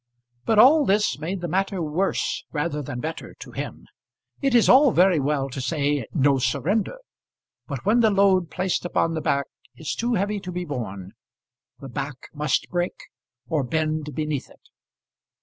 But all this made the matter worse rather than better to him. It is all very well to say, "No surrender;" but when the load placed upon the back is too heavy to be borne, the back must break or bend beneath it.